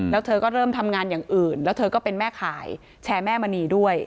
แล้วเธอก็เริ่มทำงานอย่างอื่นแล้วเธอก็เป็นแม่ขายแชร์แม่มณีด้วย